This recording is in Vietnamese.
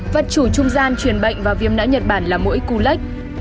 vật chủ trung gian truyền bệnh vào viêm nã nhật bản là mũi cu lách